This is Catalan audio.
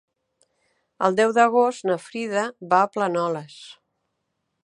El deu d'agost na Frida va a Planoles.